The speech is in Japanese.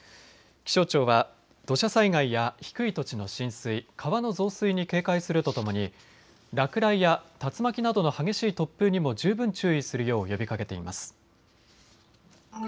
気象庁は土砂災害や低い土地の浸水、川の増水に警戒するとともに落雷や竜巻などの激しい突風にも十分注意するよう呼びかけています。